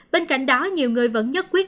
bên cạnh đó nhiều người vẫn nhất quyết